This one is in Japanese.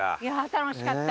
楽しかった。